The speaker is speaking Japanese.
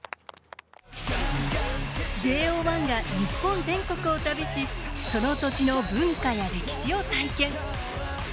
ＪＯ１が日本全国を旅しその土地の文化や歴史を体験。